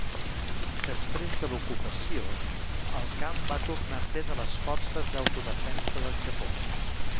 Després de l'ocupació, el camp va tornar a ser de les Forces d'Autodefensa del Japó.